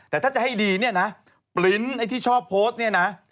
แต่ถ้าจะให้ดีเนี่ยนะปริ้นต์ไอ้ที่ชอบโพสต์เนี่ยนะ